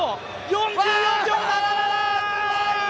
４４秒７７ー！